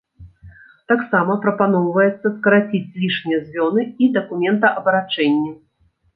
Таксама прапаноўваецца скараціць лішнія звёны і дакументаабарачэнне.